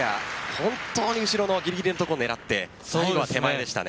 本当に後ろのぎりぎりの所を狙って最後は手前でしたね。